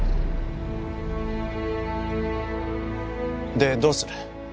で、どうする？